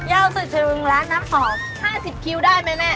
ยาวสุดถึงร้านน้ำหอม๕๐คิวได้ไหมแม่